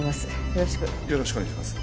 よろしくお願いします。